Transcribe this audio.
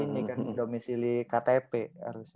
ini kan domisili ktp harusnya